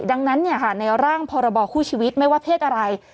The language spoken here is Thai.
ดังนั้นในร่างพรบคู่ชีวิตไม่ว่าเพศอะไร